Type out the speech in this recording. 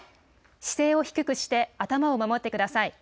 姿勢を低くして頭を守ってください。